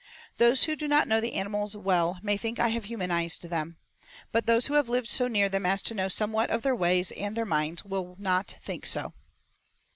Those who do not know the animals well may think I have humanized them, but those who have lived so near them as to know somewhat of their ways and their minds will not think so.